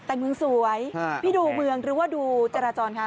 แต่เมืองสวยพี่ดูเมืองหรือว่าดูจราจรคะ